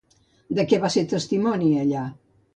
De què va ser testimoni allà?